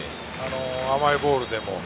甘いボールでも。